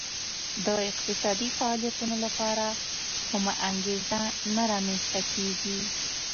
د اقتصادي فعالیتونو لپاره کومه انګېزه نه رامنځته کېږي